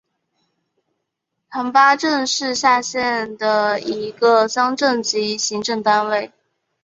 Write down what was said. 覃巴镇是下辖的一个乡镇级行政单位。